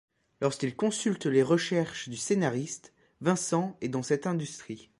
Lorsqu'il consulte les recherches du scénariste, Vincent est dans cette industrie.